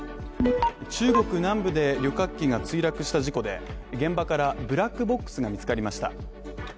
中国南部で旅客機が墜落した事故で、現場からブラックボックスが見つかりました。